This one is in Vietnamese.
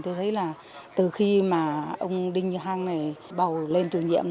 tôi thấy là từ khi mà ông đinh hăng này bầu lên trường nhiệm